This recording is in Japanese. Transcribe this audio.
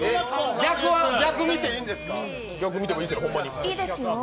逆見ていいんですか？